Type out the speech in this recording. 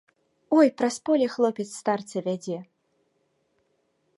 Ой, праз поле хлопец старца вядзе.